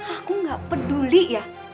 aku gak peduli ya